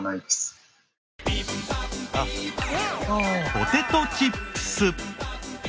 ポテトチップス。